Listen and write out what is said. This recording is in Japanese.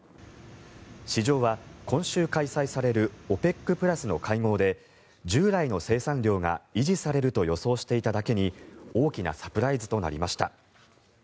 市場は、今週開催されるＯＰＥＣプラスの会合で従来の生産量が維持されると予想していただけに大きなサプライズとなりました。